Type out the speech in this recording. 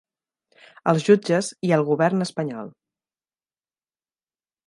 Els jutges i el govern espanyol.